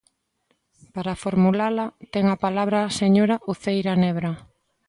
Para formulala ten a palabra a señora Uceira Nebra.